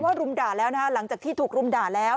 รุมด่าแล้วนะฮะหลังจากที่ถูกรุมด่าแล้ว